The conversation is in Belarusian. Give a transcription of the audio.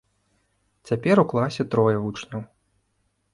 Цяпер у класе трое вучняў.